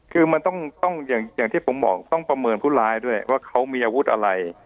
คือมันต้องอย่างที่ผมบอกต้องประเมินผู้ร้ายด้วยว่าเขามีอาวุธอะไร